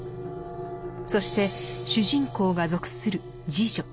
そして主人公が属する「侍女」。